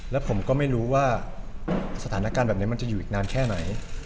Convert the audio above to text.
แล้วผมก็ไม่รู้ว่าสถานการณ์แบบนี้มันจะอยู่อีกนานแค่ไหน